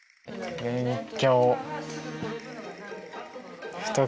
勉強。